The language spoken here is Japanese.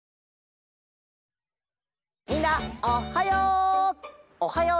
みんなおっはよう！